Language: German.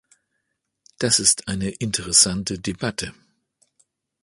Das ist eine interessante Debatte.